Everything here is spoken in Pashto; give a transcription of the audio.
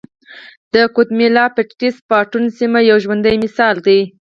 د ګواتیمالا پټېکس باټون سیمه یې یو ژوندی مثال دی